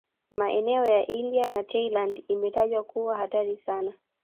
Maeneo ya India na Thailand umetajwa kuwa hatari sana